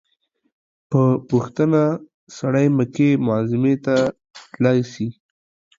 په پوښتنه سړى مکې معظمې ته تلاى سي.